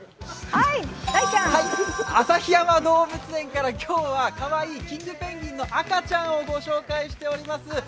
旭山動物園から今日はかわいいキングペンギンの赤ちゃんを紹介しております。